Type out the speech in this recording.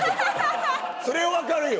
それは分かるよ。